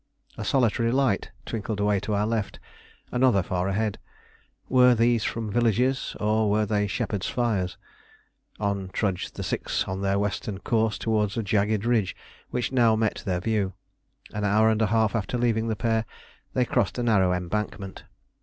A solitary light twinkled away to our left, another far ahead. Were these from villages, or were they shepherds' fires? On trudged the six on their western course towards a jagged ridge which now met their view. An hour and a half after leaving the pair they crossed a narrow embankment.